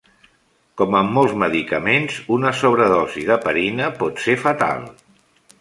Com amb mols medicaments, una sobredosi d'heparina pot ser fatal.